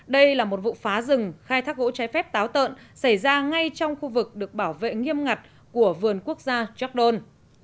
đây là một vụ phá rừng khai thác gỗ trái phép táo tợn xảy ra ngay trong khu vực được bảo vệ nghiêm ngặt của vườn quốc gia gióc đôn